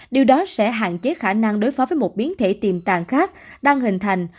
điều đó sẽ hạn chế khả năng đối phó với một biến thể tiềm tàng khác đang hình thành